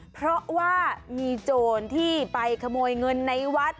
เพราะว่ามีโจรที่ไปขโมยเงินในวัด